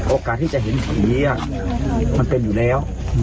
โอกาสที่จะเห็นผีมันเป็นอยู่แล้ว